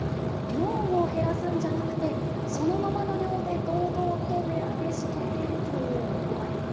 量を減らすんじゃなくて、そのままの量で堂々と値上げしてぇという声。